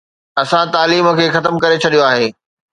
اسان تعليم کي ختم ڪري ڇڏيو آهي.